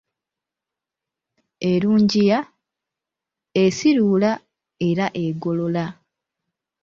"Erungiya, esiiruula' era egogola."